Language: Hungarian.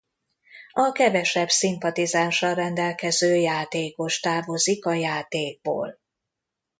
A kevesebb szimpatizánssal rendelkező játékos távozik a játékból.